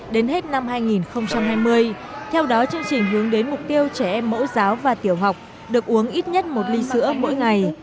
đến hết năm hai nghìn hai mươi theo đó chương trình hướng đến mục tiêu trẻ em mẫu giáo và tiểu học được uống ít nhất một ly sữa mỗi ngày